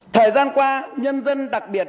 thời gian qua nhân dân đặc biệt